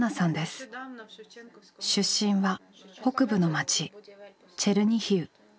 出身は北部の町チェルニヒウ。